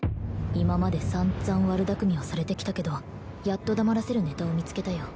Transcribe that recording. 今まで散々悪巧みをされてきたけどやっと黙らせるネタを見つけたよ